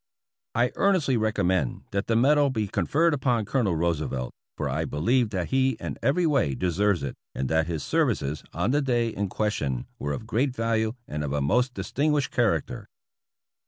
I earnestly recommend that the medal be conferred upon Colonel Roosevelt, for I believe that he in every way de serves it, and that his services on the day in question were of great value and of a most distinguished character.